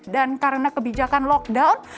dan karena kebijakan lockdown